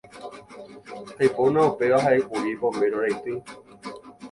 Aipóna upéva ha'ékuri Pombéro raity.